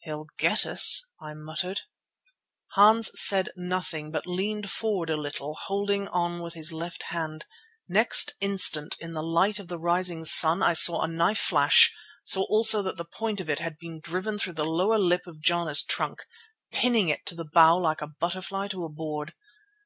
"He'll get us," I muttered. Hans said nothing but leaned forward a little, holding on with his left hand. Next instant in the light of the rising sun I saw a knife flash, saw also that the point of it had been driven through the lower lip of Jana's trunk, pinning it to the bough like a butterfly to a board.